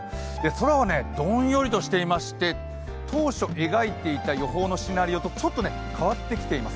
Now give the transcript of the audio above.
空はどんよりとしていまして当初描いていた予報のシナリオとちょっと変わってきています